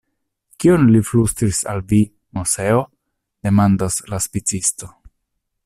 Kion li flustris al vi, Moseo? demandas la spicisto.